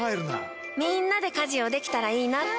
みんなで家事をできたらいいなって。